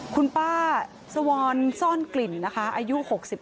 คุณป้าสวรรค์ซ่อนกลิ่นอายุ๖๕